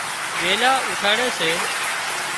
ويلان اُوٺاڙي سي